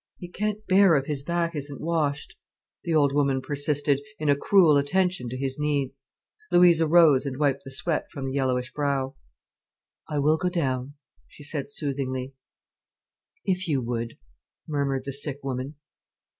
"He can't bear if his back isn't washed——" the old woman persisted, in a cruel attention to his needs. Louisa rose and wiped the sweat from the yellowish brow. "I will go down," she said soothingly. "If you would," murmured the sick woman.